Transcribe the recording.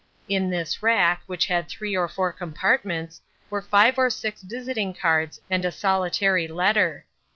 In this rack, which had three or four compartments, were five or six visiting cards and a solitary letter.